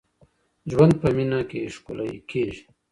ژوند په مینه کي ښکلی کیږي.